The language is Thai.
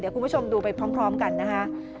คุณผู้ชมดูไปพร้อมกันนะคะ